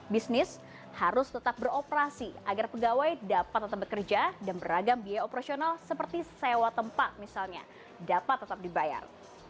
bisnis harus tetap beroperasi agar pegawai dapat tetap bekerja dan beragam biaya operasional seperti sewa tempat misalnya dapat tetap dibayar